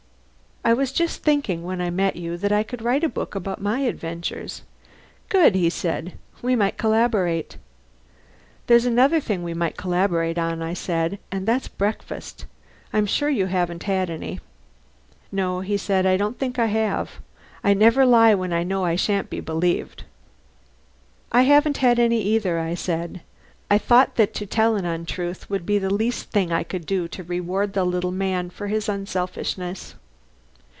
"I was just thinking, when I met you, that I could write a book about my adventures." "Good!" he said. "We might collaborate." "There's another thing we might collaborate on," I said, "and that's breakfast. I'm sure you haven't had any." "No," he said, "I don't think I have. I never lie when I know I shan't be believed." "I haven't had any, either," I said. I thought that to tell an untruth would be the least thing I could do to reward the little man for his unselfishness.